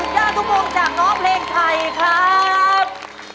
สุดยอดทุกคนจากน้องเพลงไทยครับ